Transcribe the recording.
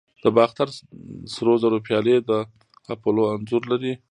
د باختر سرو زرو پیالې د اپولو انځور لري